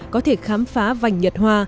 có thể khám phá vành nhật hoa